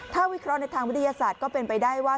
ถ้าวิเคราะห์ในทางวิทยาศาสตร์ก็เป็นไปได้ว่า